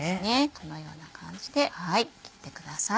このような感じで切ってください。